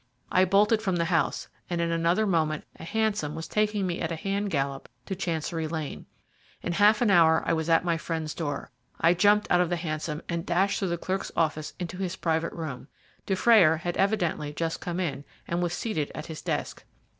I bolted from the house, and in another moment a hansom was taking me at a hand gallop to Chancery Lane. In half an hour I was at my friend's door. I jumped out of the hansom, and dashed through the clerk's office into his private room. Dufrayer had evidently just come in, and was seated at his desk.